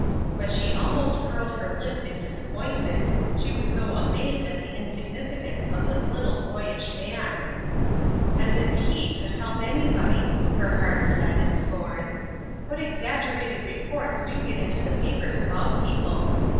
But she almost curled her lip in disappointment, she was so amazed at the insig nificance of this little, boyish man !" As if he could help anybody !" her heart said, in scorn. *' What exaggerated reports do get into the papers about people